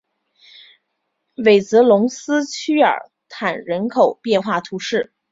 韦泽龙斯屈尔坦人口变化图示